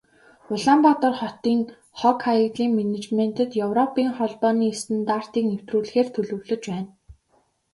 Улаанбаатар хотын хог, хаягдлын менежментэд Европын Холбооны стандартыг нэвтрүүлэхээр төлөвлөж байна.